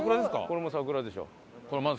これも桜でしょ。